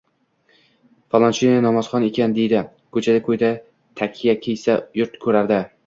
Falonchi namozxon ekan, deydi. Ko‘cha-ko‘yda takya kiysa, yurt ko‘radi.